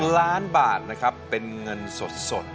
ล้านบาทนะครับเป็นเงินสด